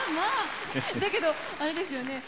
だけどあれですよね